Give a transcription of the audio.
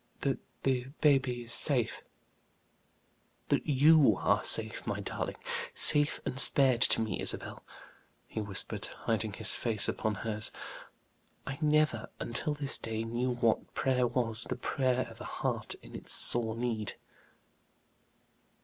"That the baby is safe?" "That you are safe, my darling; safe and spared to me, Isabel," he whispered, hiding his face upon hers. "I never, until to day, knew what prayer was the prayer of a heart in its sore need."